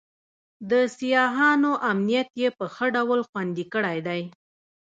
د سیاحانو امنیت یې په ښه ډول خوندي کړی دی.